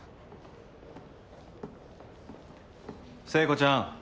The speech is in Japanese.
聖子ちゃん